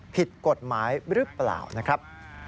ผิดกฎหมายหรือเปล่านะครับ